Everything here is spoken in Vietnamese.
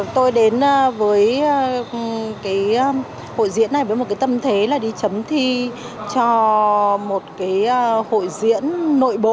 tôi đến với cái hội diễn này với một cái tâm thế là đi chấm thi cho một cái hội diễn nội bộ